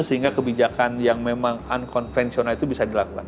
sehingga kebijakan yang memang unconvensional itu bisa dilakukan